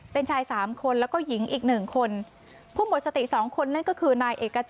เป็นชาย๓คนแล้วก็หญิงอีก๑คน